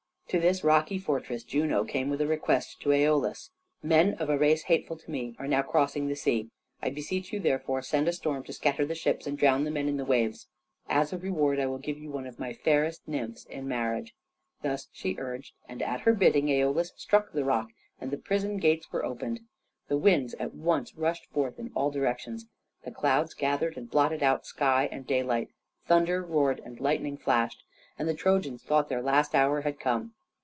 To this rocky fortress Juno came with a request to Æolus. "Men of a race hateful to me are now crossing the sea. I beseech you, therefore, send a storm to scatter the ships and drown the men in the waves. As a reward I will give you one of my fairest nymphs in marriage." Thus she urged, and at her bidding Æolus struck the rock and the prison gates were opened. The winds at once rushed forth in all directions. The clouds gathered and blotted out sky and daylight, thunder roared and lightning flashed, and the Trojans thought their last hour had come.